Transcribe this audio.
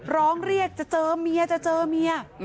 ร้องเรียกจะเจอเมียจะเจอเมีย